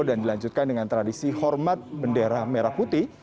dan dilanjutkan dengan tradisi hormat bendera merah putih